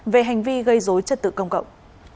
về hành vi gây dối chất tự công cộng